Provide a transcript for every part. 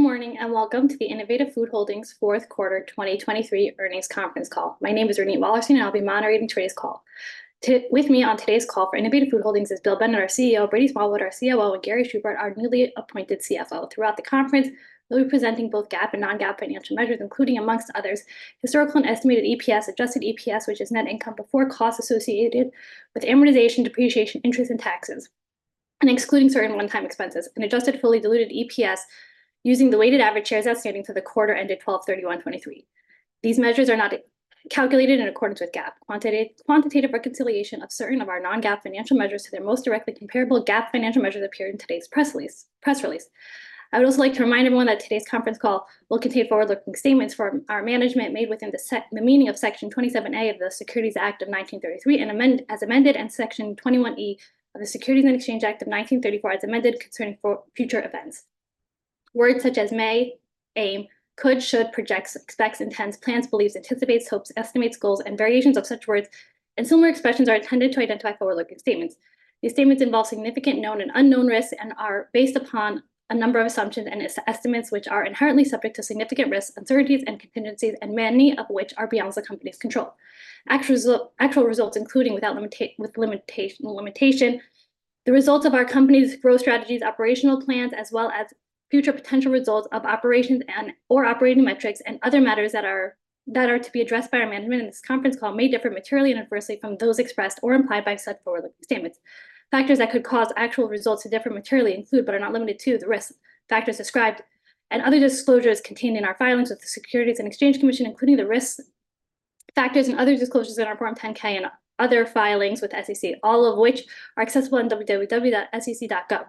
Good morning and welcome to the Innovative Food Holdings fourth quarter 2023 earnings conference call. My name is Ronit Wallerstein and I'll be moderating today's call. With me on today's call for Innovative Food Holdings is Bill Bennett, our CEO; Brady Smallwood, our COO; and Gary Schubert, our newly appointed CFO. Throughout the conference, they'll be presenting both GAAP and non-GAAP financial measures, including, amongst others, historical and estimated EPS, adjusted EPS, which is net income before costs associated with amortization, depreciation, interest, and taxes, and excluding certain one-time expenses, and adjusted fully diluted EPS using the weighted average shares outstanding for the quarter ended 12/31/2023. These measures are not calculated in accordance with GAAP. Quantitative reconciliation of certain of our non-GAAP financial measures to their most directly comparable GAAP financial measures appear in today's press release. I would also like to remind everyone that today's conference call will contain forward-looking statements from our management made within the meaning of Section 27A of the Securities Act of 1933 as amended, and Section 21E of the Securities and Exchange Act of 1934 as amended concerning future events. Words such as may, aim, could, should, projects, expects, intends, plans, believes, anticipates, hopes, estimates, goals, and variations of such words and similar expressions are intended to identify forward-looking statements. These statements involve significant known and unknown risks and are based upon a number of assumptions and estimates which are inherently subject to significant risk, uncertainties, and contingencies, and many of which are beyond the company's control. Actual results, including without limitation, the results of our company's growth strategies, operational plans, as well as future potential results of operations and/or operating metrics, and other matters that are to be addressed by our management in this conference call may differ materially and adversely from those expressed or implied by such forward-looking statements. Factors that could cause actual results to differ materially include, but are not limited to, the risk factors described and other disclosures contained in our filings with the Securities and Exchange Commission, including the risk factors and other disclosures in our Form 10-K and other filings with SEC, all of which are accessible on www.sec.gov.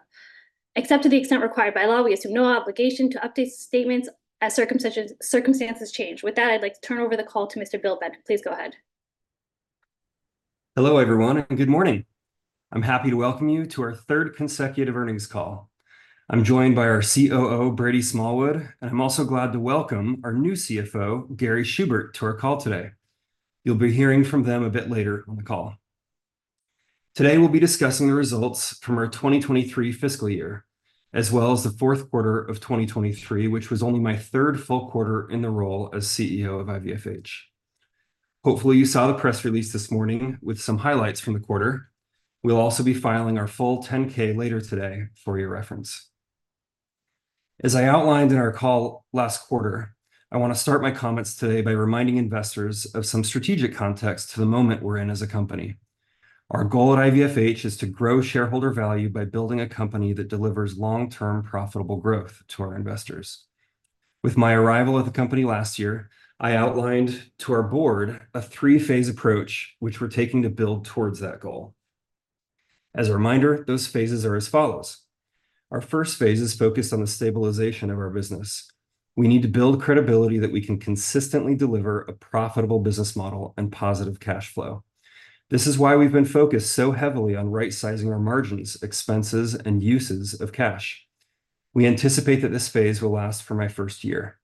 Except to the extent required by law, we assume no obligation to update statements as circumstances change. With that, I'd like to turn over the call to Mr. Bill Bennett. Please go ahead. Hello everyone and good morning. I'm happy to welcome you to our third consecutive earnings call. I'm joined by our COO, Brady Smallwood, and I'm also glad to welcome our new CFO, Gary Schubert, to our call today. You'll be hearing from them a bit later on the call. Today we'll be discussing the results from our 2023 fiscal year as well as the fourth quarter of 2023, which was only my third full quarter in the role as CEO of IVFH. Hopefully you saw the press release this morning with some highlights from the quarter. We'll also be filing our full 10-K later today for your reference. As I outlined in our call last quarter, I want to start my comments today by reminding investors of some strategic context to the moment we're in as a company. Our goal at IVFH is to grow shareholder value by building a company that delivers long-term profitable growth to our investors. With my arrival at the company last year, I outlined to our board a three-phase approach which we're taking to build towards that goal. As a reminder, those phases are as follows. Our first phase is focused on the stabilization of our business. We need to build credibility that we can consistently deliver a profitable business model and positive cash flow. This is why we've been focused so heavily on right-sizing our margins, expenses, and uses of cash. We anticipate that this phase will last for my first year.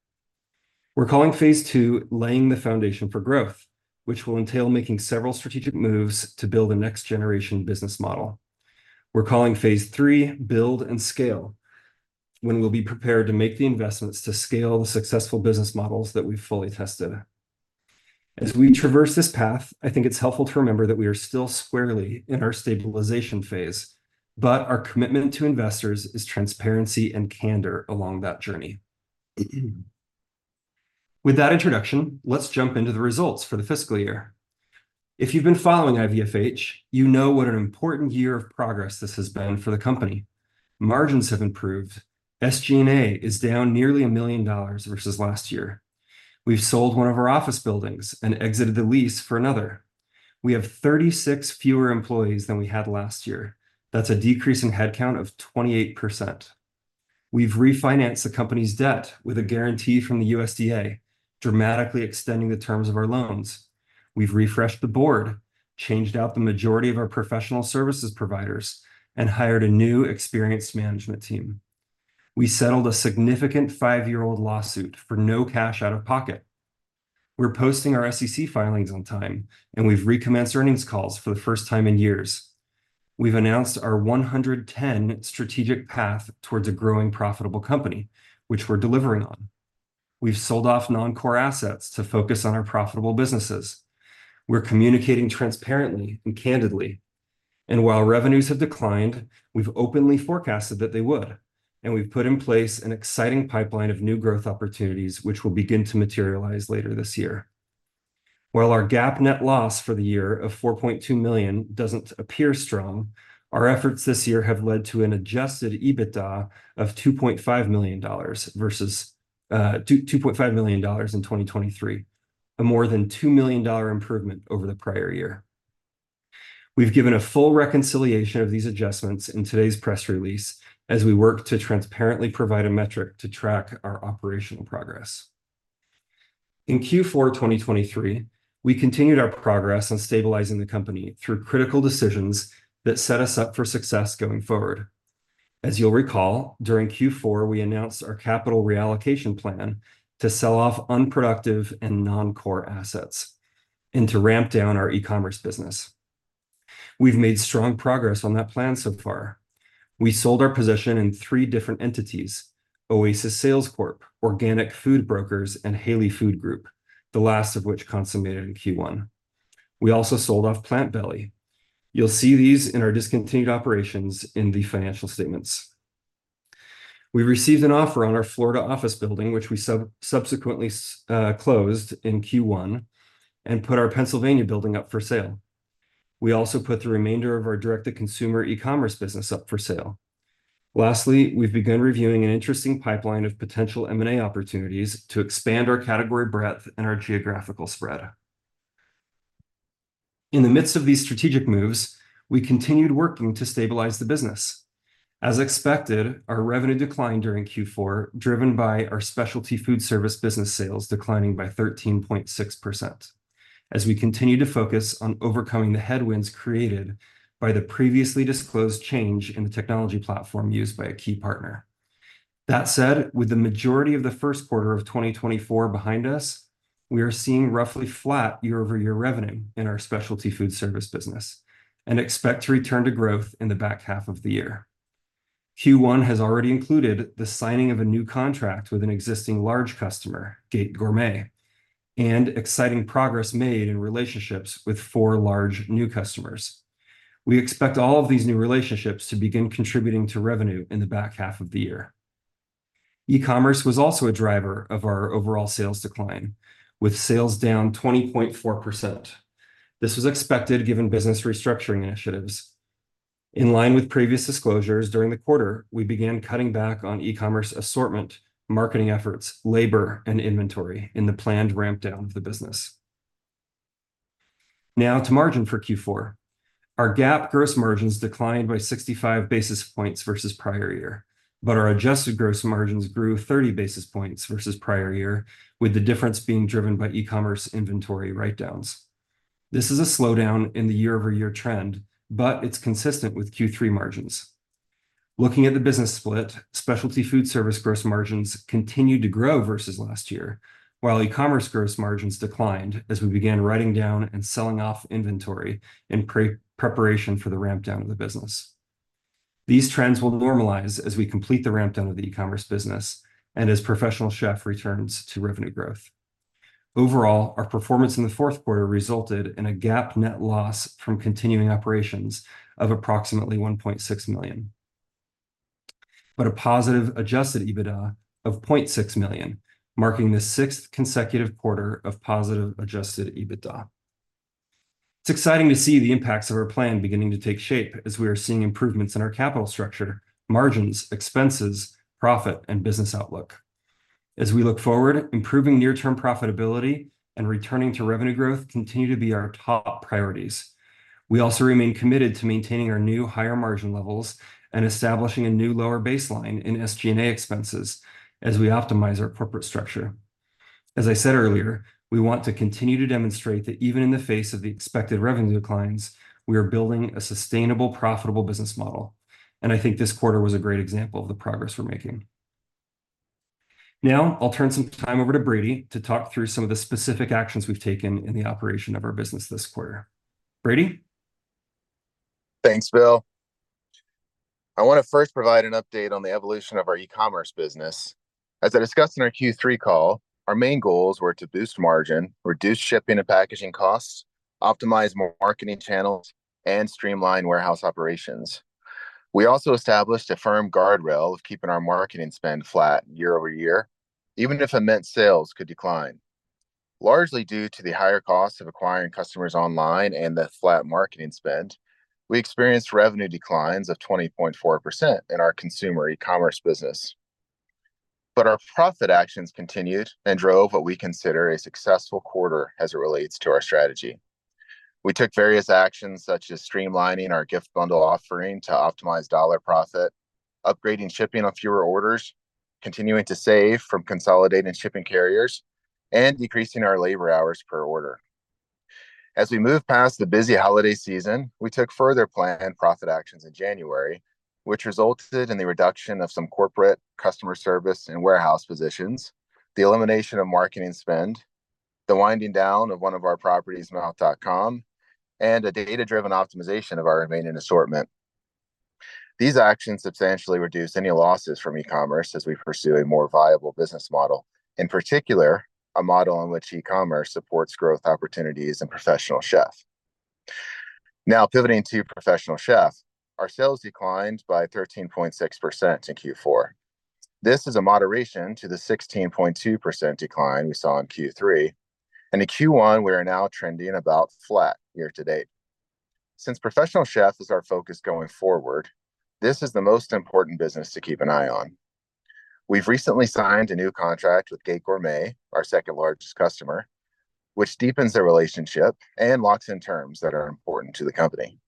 We're calling phase two laying the foundation for growth, which will entail making several strategic moves to build a next-generation business model. We're calling phase three build and scale when we'll be prepared to make the investments to scale the successful business models that we've fully tested. As we traverse this path, I think it's helpful to remember that we are still squarely in our stabilization phase, but our commitment to investors is transparency and candor along that journey. With that introduction, let's jump into the results for the fiscal year. If you've been following IVFH, you know what an important year of progress this has been for the company. Margins have improved. SG&A is down nearly $1 million versus last year. We've sold one of our office buildings and exited the lease for another. We have 36 fewer employees than we had last year. That's a decrease in headcount of 28%. We've refinanced the company's debt with a guarantee from the USDA, dramatically extending the terms of our loans. We've refreshed the board, changed out the majority of our professional services providers, and hired a new experienced management team. We settled a significant five-year-old lawsuit for no cash out of pocket. We're posting our SEC filings on time, and we've recommenced earnings calls for the first time in years. We've announced our 1-to-10 strategic path towards a growing profitable company, which we're delivering on. We've sold off non-core assets to focus on our profitable businesses. We're communicating transparently and candidly. While revenues have declined, we've openly forecasted that they would, and we've put in place an exciting pipeline of new growth opportunities which will begin to materialize later this year. While our GAAP net loss for the year of $4.2 million doesn't appear strong, our efforts this year have led to an adjusted EBITDA of $2.5 million versus $2.5 million in 2023, a more than $2 million improvement over the prior year. We've given a full reconciliation of these adjustments in today's press release as we work to transparently provide a metric to track our operational progress. In Q4 2023, we continued our progress on stabilizing the company through critical decisions that set us up for success going forward. As you'll recall, during Q4, we announced our capital reallocation plan to sell off unproductive and non-core assets and to ramp down our e-commerce business. We've made strong progress on that plan so far. We sold our position in three different entities: Oasis Sales Corp, Organic Food Brokers, and Haley Food Group, the last of which consummated in Q1. We also sold off Plant Belly. You'll see these in our discontinued operations in the financial statements. We received an offer on our Florida office building, which we subsequently closed in Q1, and put our Pennsylvania building up for sale. We also put the remainder of our direct-to-consumer e-commerce business up for sale. Lastly, we've begun reviewing an interesting pipeline of potential M&A opportunities to expand our category breadth and our geographical spread. In the midst of these strategic moves, we continued working to stabilize the business. As expected, our revenue declined during Q4, driven by our specialty food service business sales declining by 13.6% as we continue to focus on overcoming the headwinds created by the previously disclosed change in the technology platform used by a key partner. That said, with the majority of the first quarter of 2024 behind us, we are seeing roughly flat year-over-year revenue in our specialty food service business and expect to return to growth in the back half of the year. Q1 has already included the signing of a new contract with an existing large customer, Gate Gourmet, and exciting progress made in relationships with four large new customers. We expect all of these new relationships to begin contributing to revenue in the back half of the year. E-commerce was also a driver of our overall sales decline, with sales down 20.4%. This was expected given business restructuring initiatives. In line with previous disclosures during the quarter, we began cutting back on e-commerce assortment, marketing efforts, labor, and inventory in the planned rampdown of the business. Now to margin for Q4. Our GAAP gross margins declined by 65 basis points versus prior year, but our adjusted gross margins grew 30 basis points versus prior year, with the difference being driven by e-commerce inventory write-downs. This is a slowdown in the year-over-year trend, but it's consistent with Q3 margins. Looking at the business split, specialty food service gross margins continued to grow versus last year, while e-commerce gross margins declined as we began writing down and selling off inventory in preparation for the rampdown of the business. These trends will normalize as we complete the rampdown of the e-commerce business and as Professional Chef returns to revenue growth. Overall, our performance in the fourth quarter resulted in a GAAP net loss from continuing operations of approximately $1.6 million, but a positive adjusted EBITDA of $0.6 million, marking the sixth consecutive quarter of positive adjusted EBITDA. It's exciting to see the impacts of our plan beginning to take shape as we are seeing improvements in our capital structure, margins, expenses, profit, and business outlook. As we look forward, improving near-term profitability and returning to revenue growth continue to be our top priorities. We also remain committed to maintaining our new higher margin levels and establishing a new lower baseline in SG&A expenses as we optimize our corporate structure. As I said earlier, we want to continue to demonstrate that even in the face of the expected revenue declines, we are building a sustainable, profitable business model. I think this quarter was a great example of the progress we're making. Now I'll turn some time over to Brady to talk through some of the specific actions we've taken in the operation of our business this quarter. Brady. Thanks, Bill. I want to first provide an update on the evolution of our e-commerce business. As I discussed in our Q3 call, our main goals were to boost margin, reduce shipping and packaging costs, optimize marketing channels, and streamline warehouse operations. We also established a firm guardrail of keeping our marketing spend flat year-over-year, even if it meant sales could decline. Largely due to the higher costs of acquiring customers online and the flat marketing spend, we experienced revenue declines of 20.4% in our consumer e-commerce business. But our profit actions continued and drove what we consider a successful quarter as it relates to our strategy. We took various actions such as streamlining our gift bundle offering to optimize dollar profit, upgrading shipping on fewer orders, continuing to save from consolidating shipping carriers, and decreasing our labor hours per order. As we moved past the busy holiday season, we took further planned profit actions in January, which resulted in the reduction of some corporate customer service and warehouse positions, the elimination of marketing spend, the winding down of one of our properties, Mouth.com, and a data-driven optimization of our remaining assortment. These actions substantially reduced any losses from e-commerce as we pursue a more viable business model, in particular, a model in which e-commerce supports growth opportunities in Professional Chef. Now pivoting to Professional Chef, our sales declined by 13.6% in Q4. This is a moderation to the 16.2% decline we saw in Q3. In Q1, we are now trending about flat year to date. Since Professional Chef is our focus going forward, this is the most important business to keep an eye on. We've recently signed a new contract with Gate Gourmet, our second largest customer, which deepens their relationship and locks in terms that are important to the company.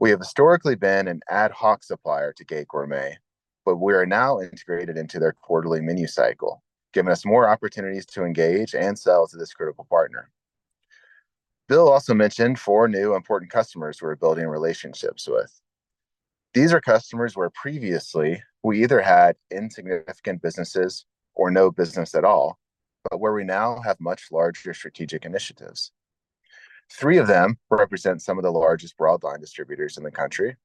We have historically been an ad hoc supplier to Gate Gourmet, but we are now integrated into their quarterly menu cycle, giving us more opportunities to engage and sell to this critical partner. Bill also mentioned four new important customers we're building relationships with. These are customers where previously we either had insignificant businesses or no business at all, but where we now have much larger strategic initiatives. Three of them represent some of the largest broadline distributors in the country,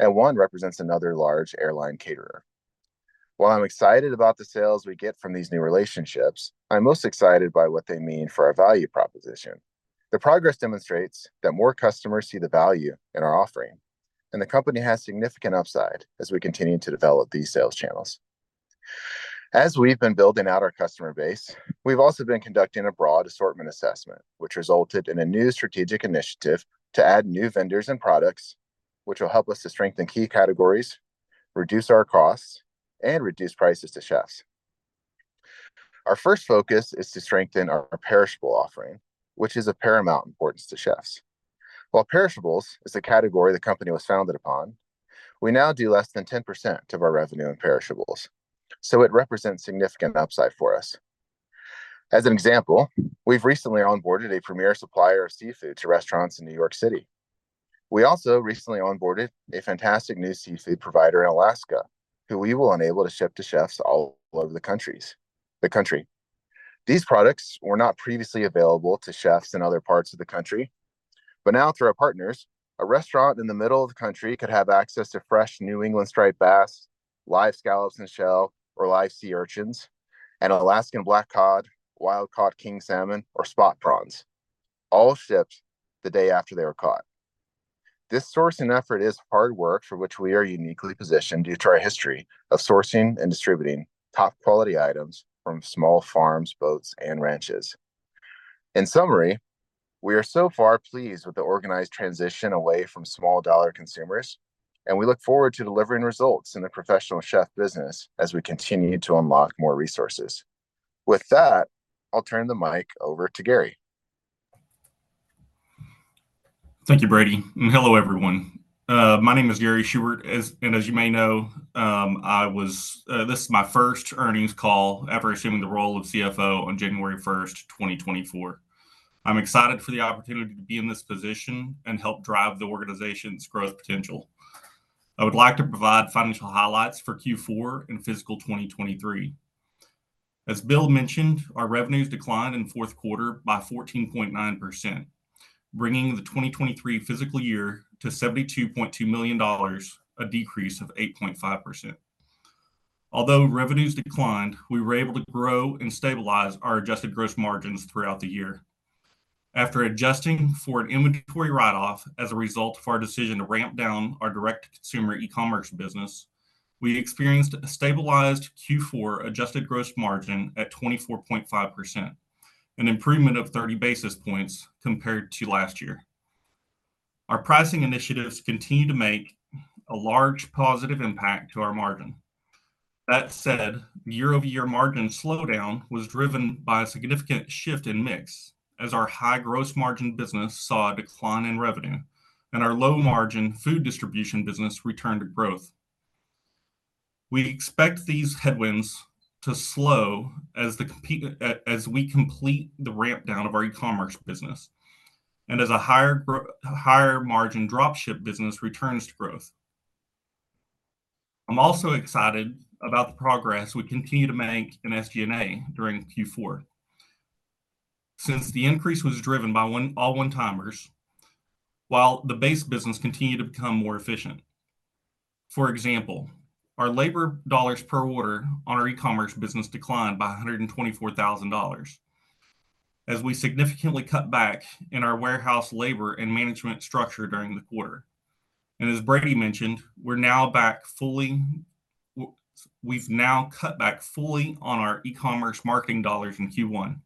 and one represents another large airline caterer. While I'm excited about the sales we get from these new relationships, I'm most excited by what they mean for our value proposition. The progress demonstrates that more customers see the value in our offering, and the company has significant upside as we continue to develop these sales channels. As we've been building out our customer base, we've also been conducting a broad assortment assessment, which resulted in a new strategic initiative to add new vendors and products, which will help us to strengthen key categories, reduce our costs, and reduce prices to chefs. Our first focus is to strengthen our perishable offering, which is of paramount importance to chefs. While perishables is the category the company was founded upon, we now do less than 10% of our revenue in perishables, so it represents significant upside for us. As an example, we've recently onboarded a premier supplier of seafood to restaurants in New York City. We also recently onboarded a fantastic new seafood provider in Alaska, who we will enable to ship to chefs all over the country. These products were not previously available to chefs in other parts of the country, but now through our partners, a restaurant in the middle of the country could have access to fresh New England striped bass, live scallops in shell, or live sea urchins, and Alaskan black cod, wild-caught king salmon, or spot prawns, all shipped the day after they were caught. This source and effort is hard work for which we are uniquely positioned due to our history of sourcing and distributing top-quality items from small farms, boats, and ranches. In summary, we are so far pleased with the organized transition away from small-dollar consumers, and we look forward to delivering results in the Professional Chef business as we continue to unlock more resources. With that, I'll turn the mic over to Gary. Thank you, Brady, and hello, everyone. My name is Gary Schubert, and as you may know, this is my first earnings call after assuming the role of CFO on January 1st, 2024. I'm excited for the opportunity to be in this position and help drive the organization's growth potential. I would like to provide financial highlights for Q4 and fiscal 2023. As Bill mentioned, our revenues declined in the fourth quarter by 14.9%, bringing the 2023 fiscal year to $72.2 million, a decrease of 8.5%. Although revenues declined, we were able to grow and stabilize our adjusted gross margins throughout the year. After adjusting for an inventory write-off as a result of our decision to ramp down our direct-to-consumer e-commerce business, we experienced a stabilized Q4 adjusted gross margin at 24.5%, an improvement of 30 basis points compared to last year. Our pricing initiatives continue to make a large positive impact to our margin. That said, the year-over-year margin slowdown was driven by a significant shift in mix as our high gross margin business saw a decline in revenue, and our low-margin food distribution business returned to growth. We expect these headwinds to slow as we complete the ramp down of our e-commerce business and as a higher-margin drop ship business returns to growth. I'm also excited about the progress we continue to make in SG&A during Q4, since the increase was driven by all one-timers, while the base business continued to become more efficient. For example, our labor dollars per order on our e-commerce business declined by $124,000 as we significantly cut back in our warehouse labor and management structure during the quarter. As Brady mentioned, we've now cut back fully on our e-commerce marketing dollars in Q1,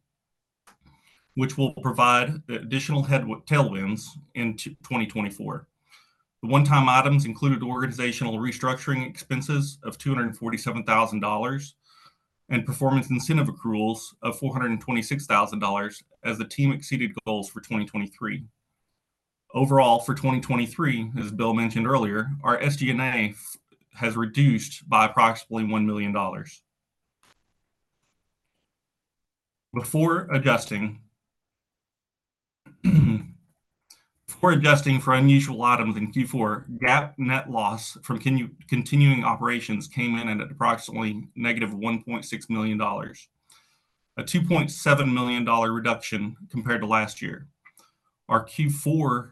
which will provide additional tailwinds in 2024. The one-time items included organizational restructuring expenses of $247,000 and performance incentive accruals of $426,000 as the team exceeded goals for 2023. Overall, for 2023, as Bill mentioned earlier, our SG&A has reduced by approximately $1 million. Before adjusting for unusual items in Q4, GAAP net loss from continuing operations came in at approximately -$1.6 million, a $2.7 million reduction compared to last year. Our Q4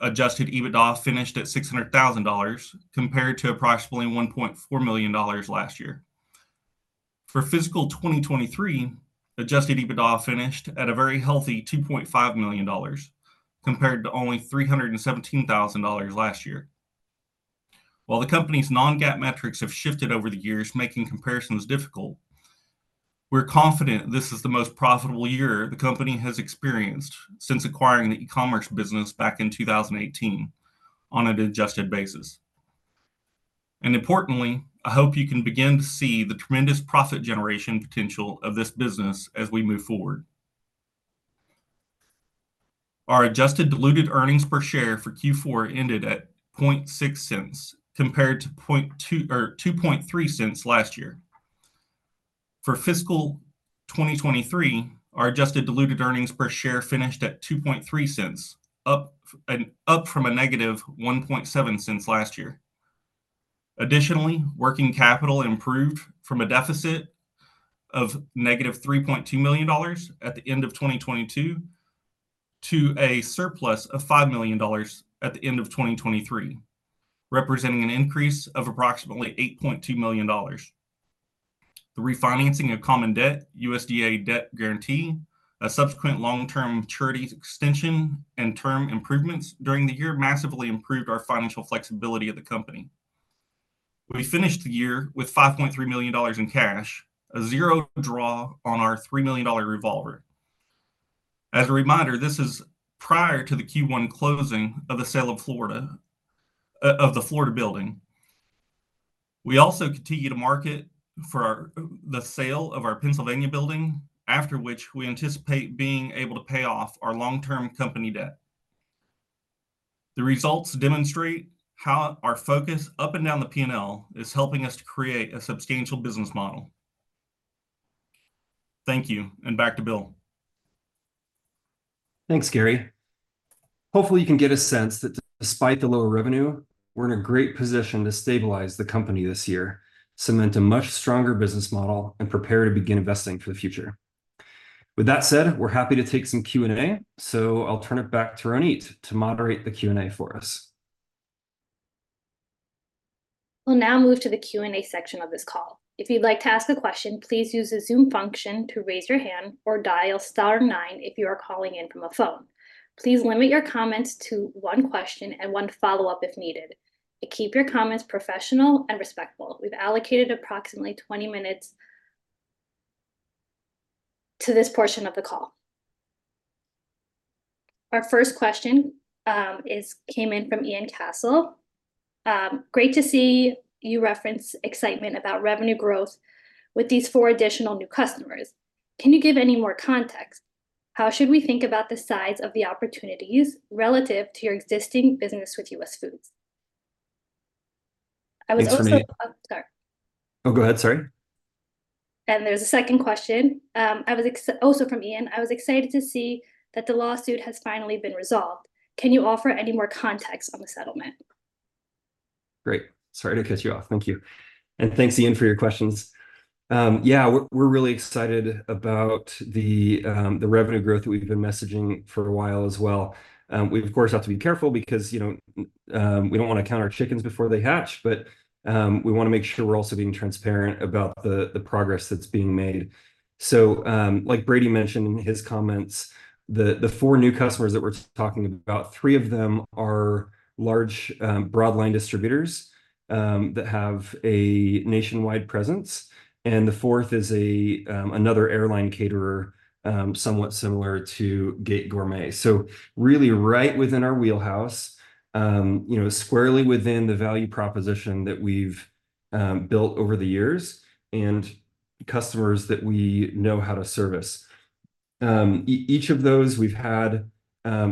adjusted EBITDA finished at $600,000 compared to approximately $1.4 million last year. For fiscal 2023, adjusted EBITDA finished at a very healthy $2.5 million compared to only $317,000 last year. While the company's non-GAAP metrics have shifted over the years, making comparisons difficult, we're confident this is the most profitable year the company has experienced since acquiring the e-commerce business back in 2018 on an adjusted basis. Importantly, I hope you can begin to see the tremendous profit generation potential of this business as we move forward. Our adjusted diluted earnings per share for Q4 ended at $0.006 compared to $0.003 last year. For fiscal 2023, our adjusted diluted earnings per share finished at $0.003, up from a -$0.017 last year. Additionally, working capital improved from a deficit of -$3.2 million at the end of 2022 to a surplus of $5 million at the end of 2023, representing an increase of approximately $8.2 million. The refinancing of common debt, USDA debt guarantee, a subsequent long-term maturity extension, and term improvements during the year massively improved our financial flexibility at the company. We finished the year with $5.3 million in cash, a zero draw on our $3 million revolver. As a reminder, this is prior to the Q1 closing of the sale of the Florida building. We also continue to market for the sale of our Pennsylvania building, after which we anticipate being able to pay off our long-term company debt. The results demonstrate how our focus up and down the P&L is helping us to create a substantial business model. Thank you, and back to Bill. Thanks, Gary. Hopefully, you can get a sense that despite the lower revenue, we're in a great position to stabilize the company this year, cement a much stronger business model, and prepare to begin investing for the future. With that said, we're happy to take some Q&A, so I'll turn it back to Ronit to moderate the Q&A for us. We'll now move to the Q&A section of this call. If you'd like to ask a question, please use the Zoom function to raise your hand or dial star nine if you are calling in from a phone. Please limit your comments to one question and one follow-up if needed. Keep your comments professional and respectful. We've allocated approximately 20 minutes to this portion of the call. Our first question came in from Ian Cassel. Great to see you reference excitement about revenue growth with these four additional new customers. Can you give any more context? How should we think about the size of the opportunities relative to your existing business with US Foods? I was also sorry. Oh, go ahead. Sorry. There's a second question. Also from Ian, I was excited to see that the lawsuit has finally been resolved. Can you offer any more context on the settlement? Great. Sorry to cut you off. Thank you. And thanks, Ian, for your questions. Yeah, we're really excited about the revenue growth that we've been messaging for a while as well. We, of course, have to be careful because we don't want to count our chickens before they hatch, but we want to make sure we're also being transparent about the progress that's being made. So like Brady mentioned in his comments, the four new customers that we're talking about, three of them are large broadline distributors that have a nationwide presence, and the fourth is another airline caterer somewhat similar to Gate Gourmet. So really right within our wheelhouse, squarely within the value proposition that we've built over the years and customers that we know how to service. Each of those, we've had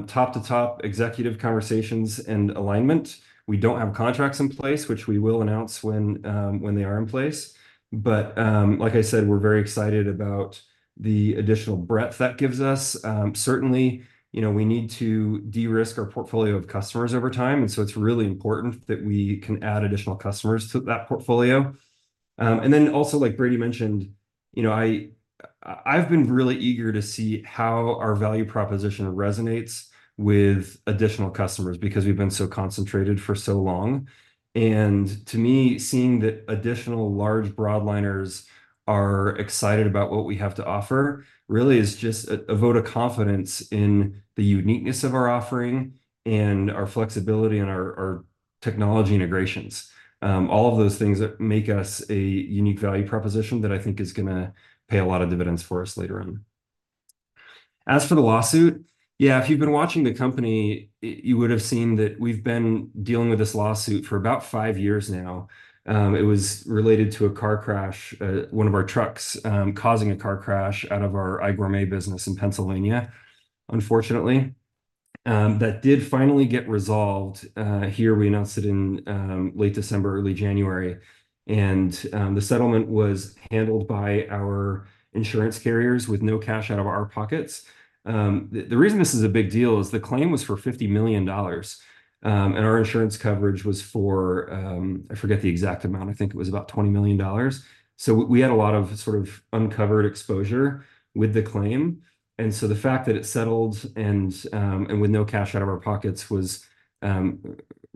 top-to-top executive conversations and alignment. We don't have contracts in place, which we will announce when they are in place. But like I said, we're very excited about the additional breadth that gives us. Certainly, we need to de-risk our portfolio of customers over time, and so it's really important that we can add additional customers to that portfolio. And then also, like Brady mentioned, I've been really eager to see how our value proposition resonates with additional customers because we've been so concentrated for so long. And to me, seeing that additional large broadliners are excited about what we have to offer really is just a vote of confidence in the uniqueness of our offering and our flexibility and our technology integrations. All of those things make us a unique value proposition that I think is going to pay a lot of dividends for us later on. As for the lawsuit, yeah, if you've been watching the company, you would have seen that we've been dealing with this lawsuit for about five years now. It was related to a car crash, one of our trucks causing a car crash out of our iGourmet business in Pennsylvania, unfortunately. That did finally get resolved. Here, we announced it in late December, early January, and the settlement was handled by our insurance carriers with no cash out of our pockets. The reason this is a big deal is the claim was for $50 million, and our insurance coverage was for I forget the exact amount. I think it was about $20 million. So we had a lot of sort of uncovered exposure with the claim. And so the fact that it settled and with no cash out of our pockets,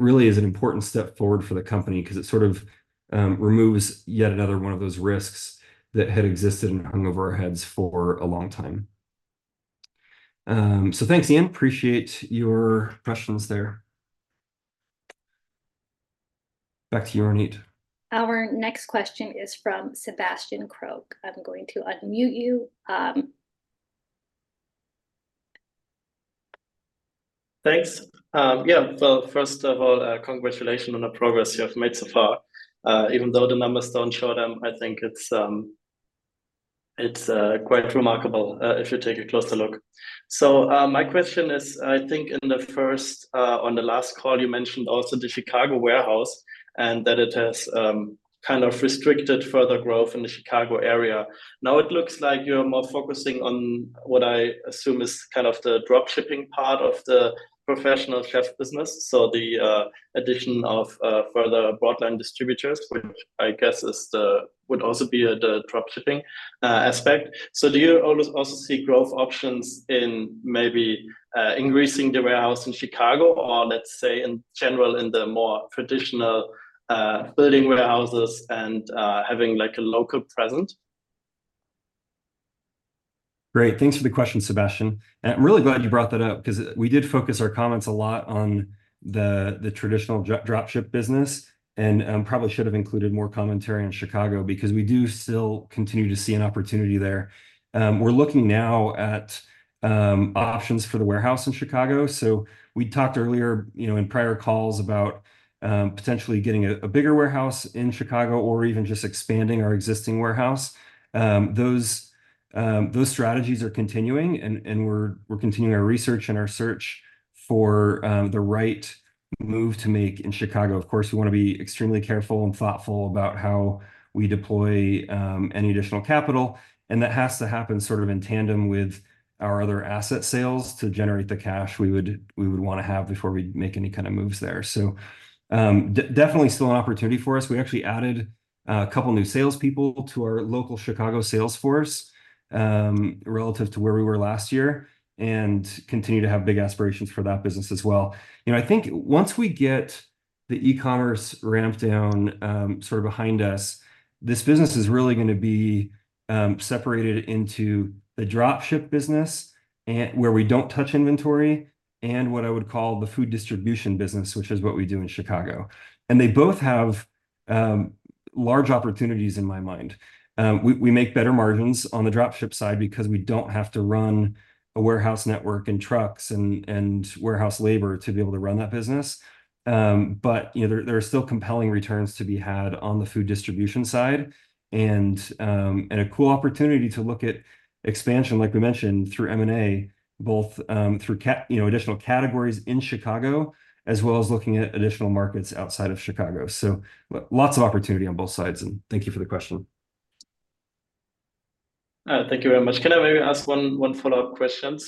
really is an important step forward for the company because it sort of removes yet another one of those risks that had existed and hung over our heads for a long time. So thanks, Ian. Appreciate your questions there. Back to you, Ronit. Our next question is from Sebastian Krog. I'm going to unmute you. Thanks. Yeah, well, first of all, congratulations on the progress you have made so far. Even though the numbers don't show them, I think it's quite remarkable if you take a closer look. So my question is, I think in the first on the last call, you mentioned also the Chicago warehouse and that it has kind of restricted further growth in the Chicago area. Now, it looks like you're more focusing on what I assume is kind of the dropshipping part of the Professional Chef business, so the addition of further broadline distributors, which I guess would also be the dropshipping aspect. So do you also see growth options in maybe increasing the warehouse in Chicago or, let's say, in general in the more traditional building warehouses and having a local presence? Great. Thanks for the question, Sebastian. I'm really glad you brought that up because we did focus our comments a lot on the traditional dropship business and probably should have included more commentary on Chicago because we do still continue to see an opportunity there. We're looking now at options for the warehouse in Chicago. We talked earlier in prior calls about potentially getting a bigger warehouse in Chicago or even just expanding our existing warehouse. Those strategies are continuing, and we're continuing our research and our search for the right move to make in Chicago. Of course, we want to be extremely careful and thoughtful about how we deploy any additional capital. That has to happen sort of in tandem with our other asset sales to generate the cash we would want to have before we'd make any kind of moves there. So definitely still an opportunity for us. We actually added a couple of new salespeople to our local Chicago sales force relative to where we were last year and continue to have big aspirations for that business as well. I think once we get the e-commerce ramp down sort of behind us, this business is really going to be separated into the drop ship business where we don't touch inventory and what I would call the food distribution business, which is what we do in Chicago. And they both have large opportunities in my mind. We make better margins on the drop ship side because we don't have to run a warehouse network and trucks and warehouse labor to be able to run that business. But there are still compelling returns to be had on the food distribution side and a cool opportunity to look at expansion, like we mentioned, through M&A, both through additional categories in Chicago as well as looking at additional markets outside of Chicago. So lots of opportunity on both sides. And thank you for the question. Thank you very much. Can I maybe ask one follow-up question?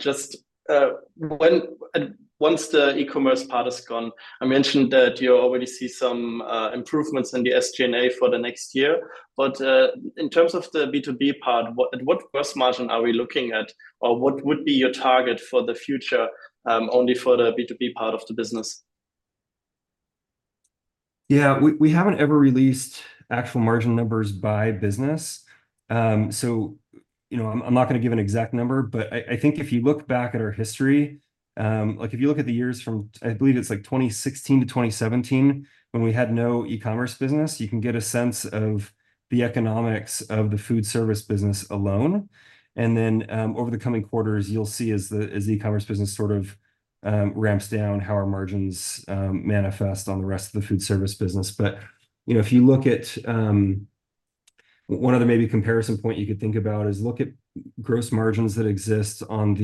Just once the e-commerce part is gone, I mentioned that you already see some improvements in the SG&A for the next year. In terms of the B2B part, at what gross margin are we looking at, or what would be your target for the future only for the B2B part of the business? Yeah, we haven't ever released actual margin numbers by business. So I'm not going to give an exact number, but I think if you look back at our history, if you look at the years from I believe it's like 2016 to 2017 when we had no e-commerce business, you can get a sense of the economics of the food service business alone. And then over the coming quarters, you'll see as the e-commerce business sort of ramps down how our margins manifest on the rest of the food service business. But if you look at one other maybe comparison point you could think about is look at gross margins that exist on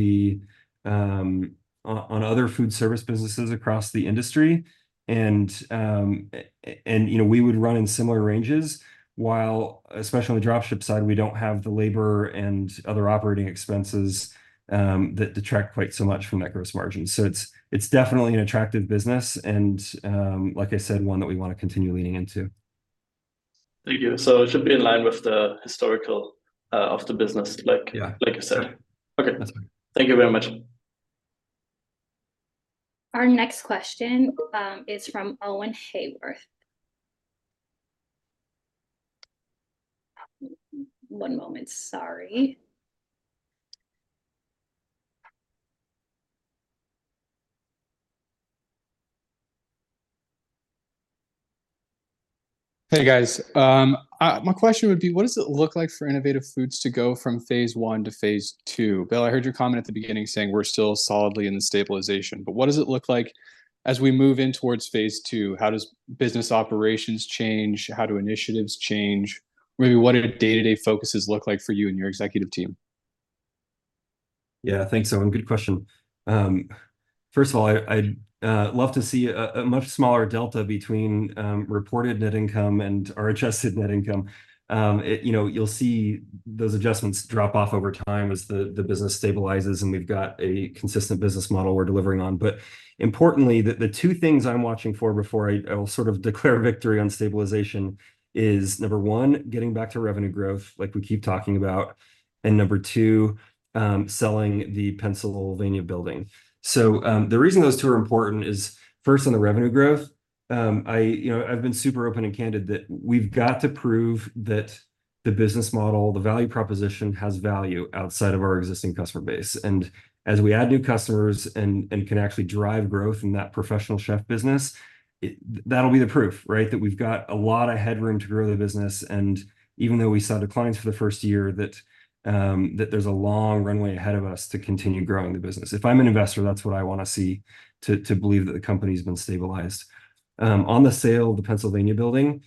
other food service businesses across the industry. We would run in similar ranges while, especially on the drop ship side, we don't have the labor and other operating expenses that detract quite so much from that gross margin. So it's definitely an attractive business and, like I said, one that we want to continue leaning into. Thank you. So it should be in line with the historical of the business, like you said. Okay. Thank you very much. Our next question is from Owen Haworth. One moment. Sorry. Hey, guys. My question would be, what does it look like for Innovative Food Holdings to go from phase one to phase two? Bill, I heard your comment at the beginning saying we're still solidly in the stabilization. But what does it look like as we move in towards phase two? How does business operations change? How do initiatives change? Maybe what do day-to-day focuses look like for you and your executive team? Yeah, thanks, Owen. Good question. First of all, I'd love to see a much smaller delta between reported net income and adjusted net income. You'll see those adjustments drop off over time as the business stabilizes and we've got a consistent business model we're delivering on. But importantly, the two things I'm watching for before I will sort of declare victory on stabilization is, number one, getting back to revenue growth like we keep talking about, and number two, selling the Pennsylvania building. So the reason those two are important is, first, on the revenue growth, I've been super open and candid that we've got to prove that the business model, the value proposition, has value outside of our existing customer base. As we add new customers and can actually drive growth in that professional chef business, that'll be the proof, right, that we've got a lot of headroom to grow the business. Even though we saw declines for the first year, that there's a long runway ahead of us to continue growing the business. If I'm an investor, that's what I want to see, to believe that the company's been stabilized. On the sale of the Pennsylvania building,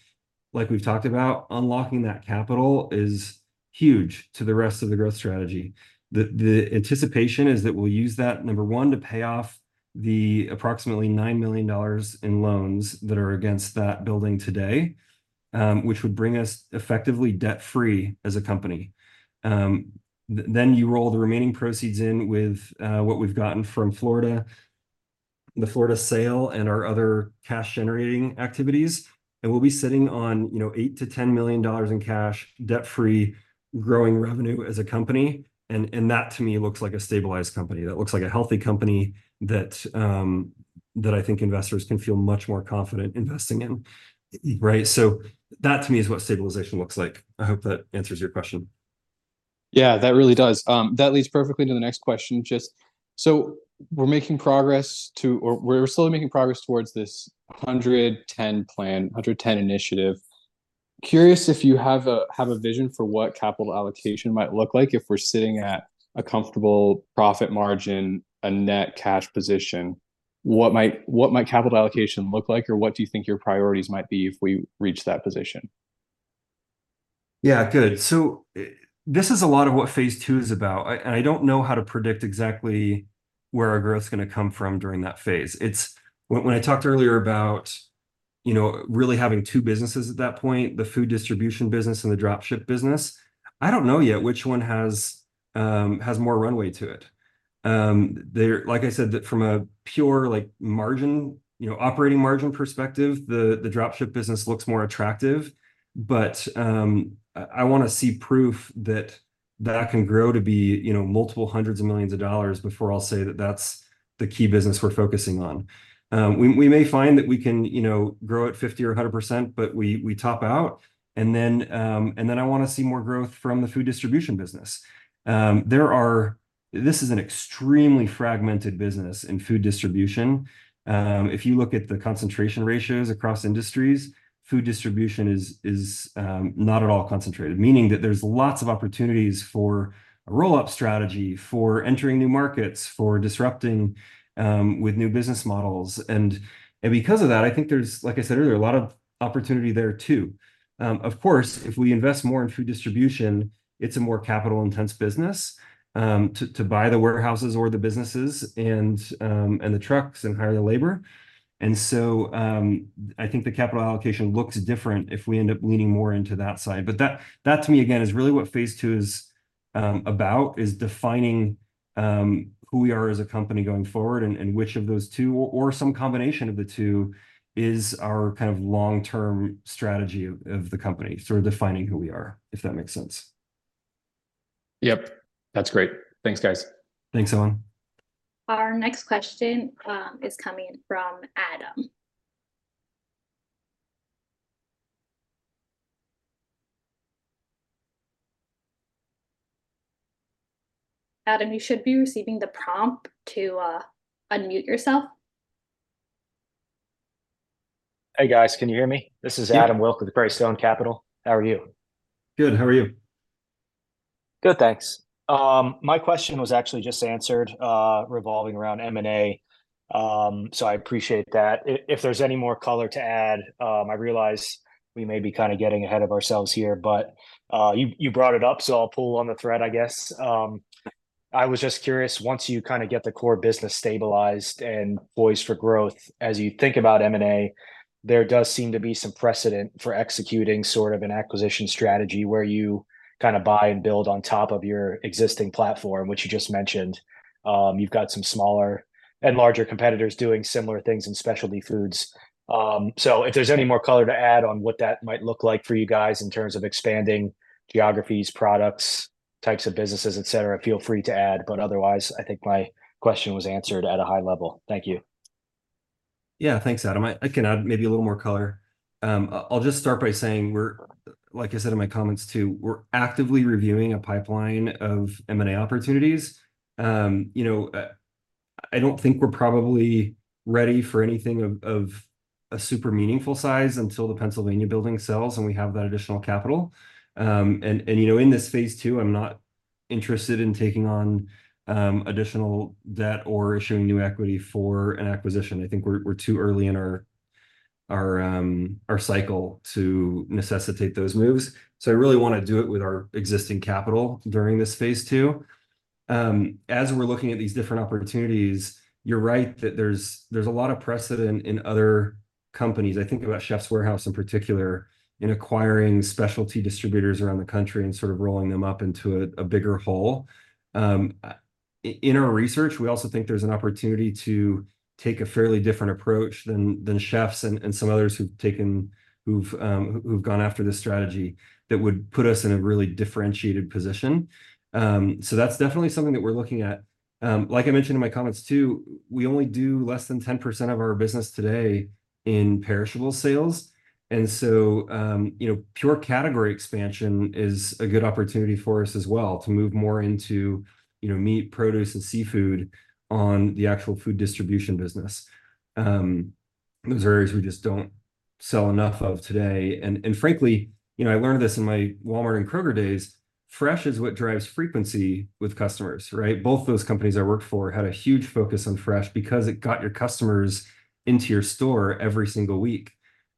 like we've talked about, unlocking that capital is huge to the rest of the growth strategy. The anticipation is that we'll use that, number one, to pay off the approximately $9 million in loans that are against that building today, which would bring us effectively debt-free as a company. You roll the remaining proceeds in with what we've gotten from Florida, the Florida sale, and our other cash-generating activities. We'll be sitting on $8 million-$10 million in cash, debt-free, growing revenue as a company. That, to me, looks like a stabilized company. That looks like a healthy company that I think investors can feel much more confident investing in, right? So that, to me, is what stabilization looks like. I hope that answers your question. Yeah, that really does. That leads perfectly into the next question. So we're making progress to or we're slowly making progress towards this 1-to-10 plan, 1-to-10 initiative. Curious if you have a vision for what capital allocation might look like if we're sitting at a comfortable profit margin, a net cash position. What might capital allocation look like, or what do you think your priorities might be if we reach that position? Yeah, good. So this is a lot of what phase two is about. I don't know how to predict exactly where our growth's going to come from during that phase. When I talked earlier about really having two businesses at that point, the food distribution business and the dropship business, I don't know yet which one has more runway to it. Like I said, from a pure operating margin perspective, the dropship business looks more attractive. But I want to see proof that that can grow to be multiple hundreds of millions dollars before I'll say that that's the key business we're focusing on. We may find that we can grow at 50% or 100%, but we top out. Then I want to see more growth from the food distribution business. This is an extremely fragmented business in food distribution. If you look at the concentration ratios across industries, food distribution is not at all concentrated, meaning that there's lots of opportunities for a roll-up strategy, for entering new markets, for disrupting with new business models. Because of that, I think there's, like I said earlier, a lot of opportunity there too. Of course, if we invest more in food distribution, it's a more capital-intense business to buy the warehouses or the businesses and the trucks and hire the labor. So I think the capital allocation looks different if we end up leaning more into that side. But that, to me, again, is really what phase two is about, is defining who we are as a company going forward and which of those two or some combination of the two is our kind of long-term strategy of the company, sort of defining who we are, if that makes sense. Yep. That's great. Thanks, guys. Thanks, Owen. Our next question is coming from Adam. Adam, you should be receiving the prompt to unmute yourself. Hey, guys. Can you hear me? This is Adam Wilk with Greystone Capital. How are you? Good. How are you? Good. Thanks. My question was actually just answered revolving around M&A. So I appreciate that. If there's any more color to add, I realize we may be kind of getting ahead of ourselves here, but you brought it up, so I'll pull on the thread, I guess. I was just curious, once you kind of get the core business stabilized and poised for growth, as you think about M&A, there does seem to be some precedent for executing sort of an acquisition strategy where you kind of buy and build on top of your existing platform, which you just mentioned. You've got some smaller and larger competitors doing similar things in specialty foods. So if there's any more color to add on what that might look like for you guys in terms of expanding geographies, products, types of businesses, etc., feel free to add. But otherwise, I think my question was answered at a high level. Thank you. Yeah, thanks, Adam. I can add maybe a little more color. I'll just start by saying, like I said in my comments too, we're actively reviewing a pipeline of M&A opportunities. I don't think we're probably ready for anything of a super meaningful size until the Pennsylvania building sells and we have that additional capital. And in this phase two, I'm not interested in taking on additional debt or issuing new equity for an acquisition. I think we're too early in our cycle to necessitate those moves. So I really want to do it with our existing capital during this phase two. As we're looking at these different opportunities, you're right that there's a lot of precedent in other companies. I think about Chefs' Warehouse in particular, in acquiring specialty distributors around the country and sort of rolling them up into a bigger whole. In our research, we also think there's an opportunity to take a fairly different approach than chefs and some others who've gone after this strategy that would put us in a really differentiated position. So that's definitely something that we're looking at. Like I mentioned in my comments too, we only do less than 10% of our business today in perishable sales. And so pure category expansion is a good opportunity for us as well to move more into meat, produce, and seafood on the actual food distribution business. Those are areas we just don't sell enough of today. And frankly, I learned this in my Walmart and Kroger days. Fresh is what drives frequency with customers, right? Both those companies I worked for had a huge focus on fresh because it got your customers into your store every single week.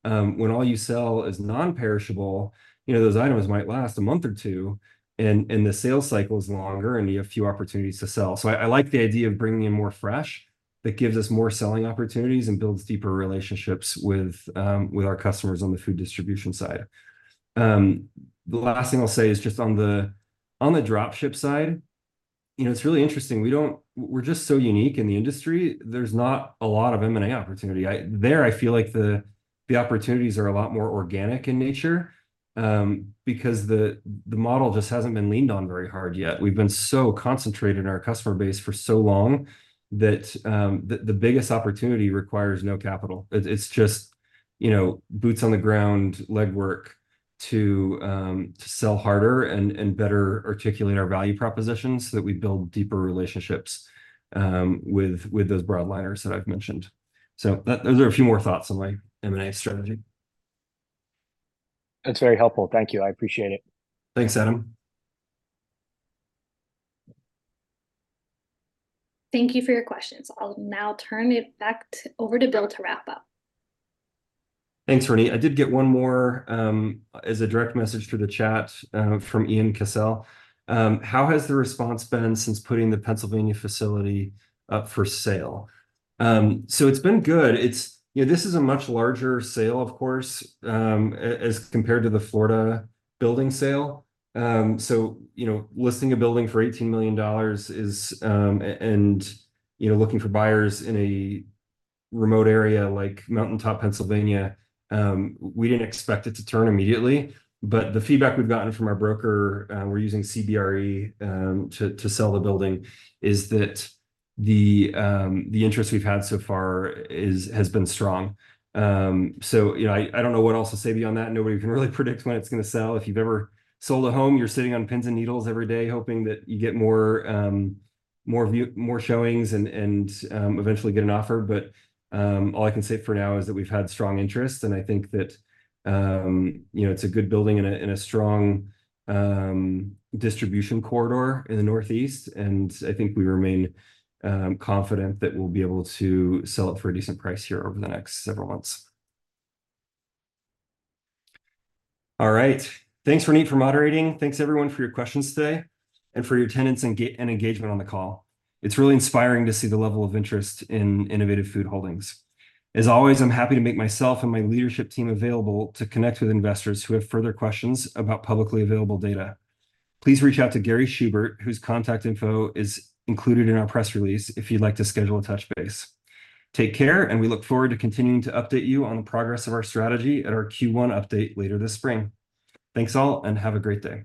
When all you sell is non-perishable, those items might last a month or two, and the sales cycle is longer, and you have few opportunities to sell. So I like the idea of bringing in more fresh that gives us more selling opportunities and builds deeper relationships with our customers on the food distribution side. The last thing I'll say is just on the dropship side, it's really interesting. We're just so unique in the industry. There's not a lot of M&A opportunity. There, I feel like the opportunities are a lot more organic in nature because the model just hasn't been leaned on very hard yet. We've been so concentrated in our customer base for so long that the biggest opportunity requires no capital. It's just boots on the ground, legwork to sell harder and better articulate our value proposition so that we build deeper relationships with those broadliners that I've mentioned. Those are a few more thoughts on my M&A strategy. That's very helpful. Thank you. I appreciate it. Thanks, Adam. Thank you for your questions. I'll now turn it back over to Bill to wrap up. Thanks, Ronit. I did get one more as a direct message through the chat from Ian Cassel. How has the response been since putting the Pennsylvania facility up for sale? So it's been good. This is a much larger sale, of course, as compared to the Florida building sale. So listing a building for $18 million and looking for buyers in a remote area like Mountain Top, Pennsylvania, we didn't expect it to turn immediately. But the feedback we've gotten from our broker, we're using CBRE to sell the building, is that the interest we've had so far has been strong. So I don't know what else to say beyond that. Nobody can really predict when it's going to sell. If you've ever sold a home, you're sitting on pins and needles every day hoping that you get more showings and eventually get an offer. But all I can say for now is that we've had strong interest, and I think that it's a good building in a strong distribution corridor in the northeast. And I think we remain confident that we'll be able to sell it for a decent price here over the next several months. All right. Thanks, Ronit, for moderating. Thanks, everyone, for your questions today and for your attendance and engagement on the call. It's really inspiring to see the level of interest in Innovative Food Holdings. As always, I'm happy to make myself and my leadership team available to connect with investors who have further questions about publicly available data. Please reach out to Gary Schubert, whose contact info is included in our press release if you'd like to schedule a touch base. Take care, and we look forward to continuing to update you on the progress of our strategy at our Q1 update later this spring. Thanks all, and have a great day.